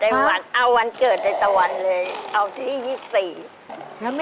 เอาวันเกิดในตะวันเลย